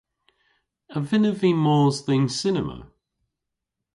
A vynnav vy mos dhe'n cinema?